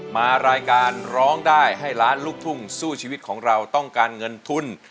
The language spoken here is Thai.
มารายการร้องได้ให้ล้านลูกทุ่งสู้ชีวิตของเราต้องการเงินทุน